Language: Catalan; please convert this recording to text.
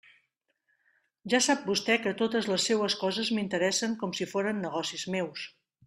Ja sap vostè que totes les seues coses m'interessen com si foren negocis meus.